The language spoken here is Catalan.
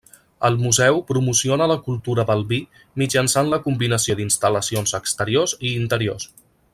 El museu promociona la cultura del vi mitjançant la combinació d'instal·lacions exteriors i interiors.